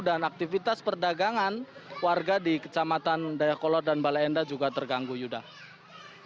dan aktivitas perdagangan warga di kecamatan dayuh kolot dan balai endah juga terganggu yudha